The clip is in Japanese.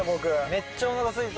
めっちゃお腹すいた。